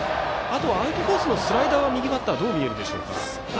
アウトコースのスライダーは右バッターどう見えるでしょうか。